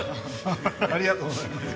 ありがとうございます。